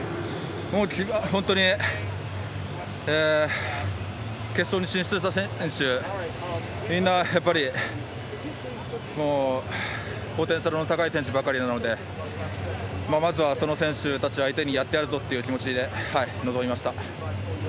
本当に決勝に進出した選手みんな、ポテンシャルの高い選手ばかりなのでまずはその選手たち相手にやってやるぞという気持ちで臨みました。